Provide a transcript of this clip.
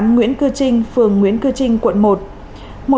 một trăm bốn mươi tám nguyễn cư trinh phường nguyễn cư trinh quận một